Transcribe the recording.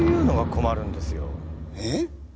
えっ？